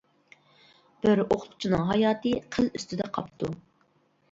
بىر ئوقۇتقۇچىنىڭ ھاياتى قىل ئۈستىدە قاپتۇ.